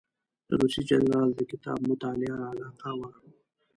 د روسي جنرال د کتاب مطالعه علاقه وه.